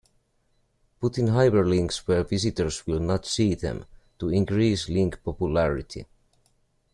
Putting hyperlinks where visitors will not see them to increase link popularity.